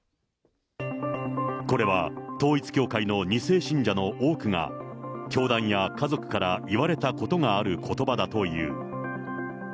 これは、統一教会の２世信者の多くが、教団や家族から言われたことがあることばだという。